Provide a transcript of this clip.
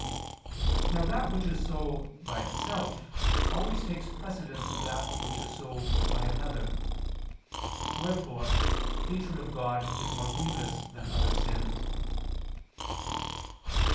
Now that which is so by itself, always takes precedence of that which is so by another. Wherefore hatred of God is more grievous than other sins.